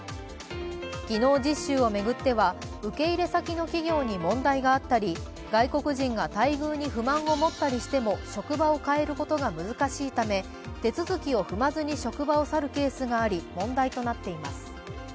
技能実習を巡っては受け入れ先の企業に問題があったり外国人が待遇に不満を持ったりしても職場を変えることが難しいため手続きを踏まずに職場を去るケースがあり問題となっています。